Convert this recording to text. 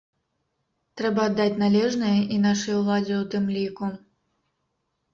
Трэба аддаць належнае і нашай уладзе ў тым ліку.